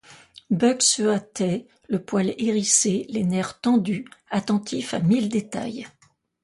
Buck se hâtait, le poil hérissé, les nerfs tendus, attentif à mille détails.